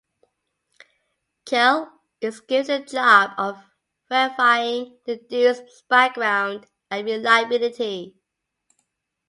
Kell is given the job of verifying the Duke's background and reliability.